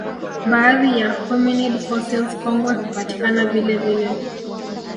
Baadhi ya hominid fossils kongwe hupatikana vilevile